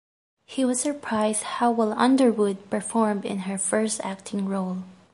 He was surprised how well Underwood performed in her first acting role.